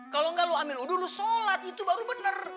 kalau enggak lu ambil udhul lu sholat itu baru bener